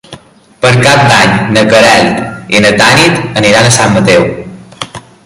Per Cap d'Any na Queralt i na Tanit aniran a Sant Mateu.